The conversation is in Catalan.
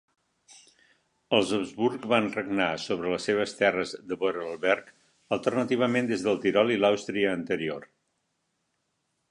Els Habsburg van regnar sobre les seves terres de Vorarlberg alternativament des del Tirol i Àustria Anterior.